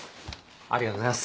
ありがとうございます。